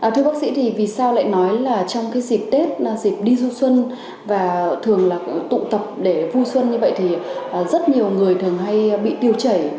thưa bác sĩ thì vì sao lại nói là trong dịp tết dịp đi du xuân và thường là tụ tập để vui xuân như vậy thì rất nhiều người thường hay bị tiêu chảy